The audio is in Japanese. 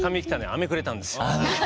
あめくれたんですよ。